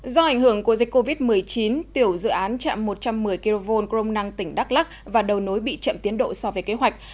do ảnh hưởng của dịch covid một mươi chín tiểu dự án chạm một trăm một mươi kv crom năng tỉnh đắk lắc và đầu nối bị chậm tiến độ so với kế hoạch